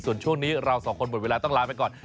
ส่วนช่วงนี้เราสองคนหมดเวลาต้องลาไปก่อน